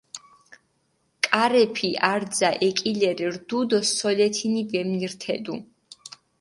კარეფი არძა ეკილერი რდუ დო სოლეთინი ვემნირთედუ.